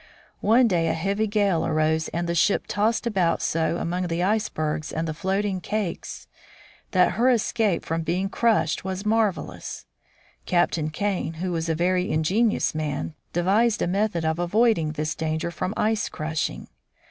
One day a heavy gale arose, and the ship tossed about so among the icebergs and the floating cakes that her escape from being crushed was marvelous. Captain Kane, who was a very ingenious man, devised a method of avoiding this danger from ice crushing.